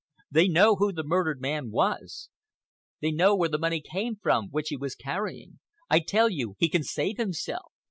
They know who the murdered man was. They know where the money came from which he was carrying. I tell you he can save himself.